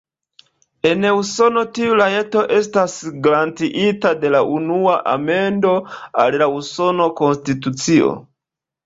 En Usono tiu rajto estas garantiita de la Unua Amendo al la Usona Konstitucio.